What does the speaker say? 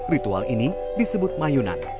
ritual ini disebut mayunan